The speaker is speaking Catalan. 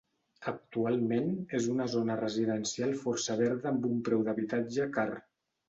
Actualment és una zona residencial força verda amb un preu d'habitatge car.